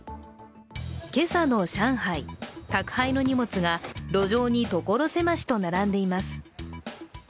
今朝の上海、宅配の荷物が路上に所狭しと並んでいます。